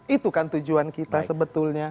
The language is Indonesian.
itu kan tujuan kita sebetulnya